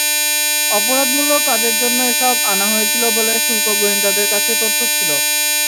অপরাধমূলক কাজের জন্য এসব আনা হয়েছিল বলে শুল্ক গোয়েন্দাদের কাছে তথ্য ছিল।